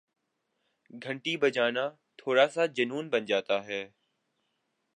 گھنٹی بجانا تھوڑا سا جنون بن جاتا ہے